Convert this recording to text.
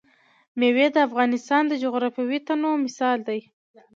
مېوې د افغانستان د جغرافیوي تنوع مثال دی.